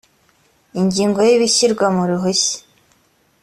ingingo ya ibishyirwa mu ruhushya